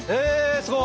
すごい！